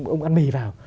ông ăn mì vào